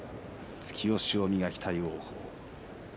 突き押しを磨きたい王鵬。